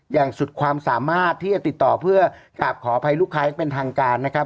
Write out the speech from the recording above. อย่างสุดความสามารถที่จะติดต่อเพื่อกลับขออภัยลูกค้ายังเป็นทางการนะครับ